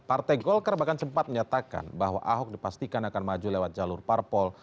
partai golkar bahkan sempat menyatakan bahwa ahok dipastikan akan maju lewat jalur parpol